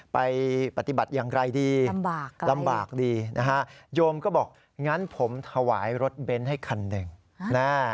ไปปฏิบัติอย่างไรดีลำบากดีนะฮะโยมก็บอกงั้นผมถวายรถเบนท์ให้คันหนึ่งแน่